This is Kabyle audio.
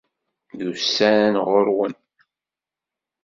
Yusa-n ɣurwen.